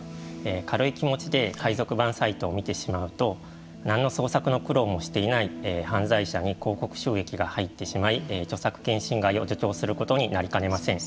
軽い気持ちで海賊版サイトを見てしまうと何の創作の苦労もしていない犯罪者に広告収益が入ってしまい著作権侵害を助長することになりかねません。